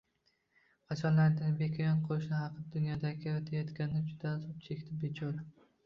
Qachonlardir beka yon qo‘shni haqida, “Dunyodan o‘tayotganda juda azob chekdi, bechora